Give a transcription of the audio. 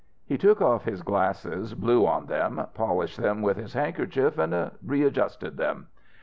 He took off his glasses, blew on them, polished them with his handkerchief and readjusted them.